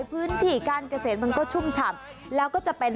พื้นที่การเกษตรมันก็ชุ่มฉ่ำแล้วก็จะเป็น